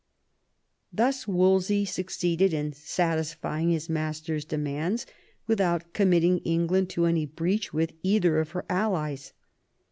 Thus Wolsey succeeded in satisfying his master's demands without committing England to any breach with either of her allies.